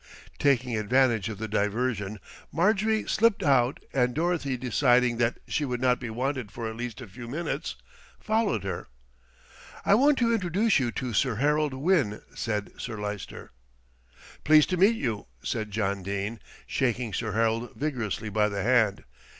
Taking advantage of the diversion, Marjorie slipped out and Dorothy, deciding that she would not be wanted for at least a few minutes, followed her. "I want to introduce you to Sir Harold Winn," said Sir Lyster. "Pleased to meet you," said John Dene, shaking Sir Harold vigorously by the hand.